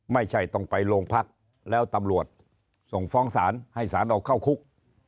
ไม่ใช่ต้องไปโรงพักแล้วตำรวจส่งฟ้องศาลให้สารออกเข้าคุก